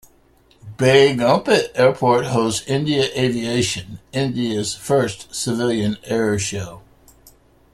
Begumpet Airport hosts 'India Aviation', India's first civilian air show.